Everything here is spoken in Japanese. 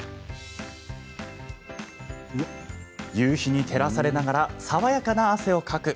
夕日に照らされながら爽やかな汗をかく。